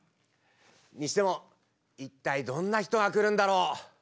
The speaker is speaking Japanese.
にしても一体どんな人が来るんだろう？